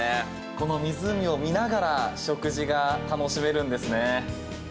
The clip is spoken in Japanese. この湖を見ながら食事が楽しめるんですね。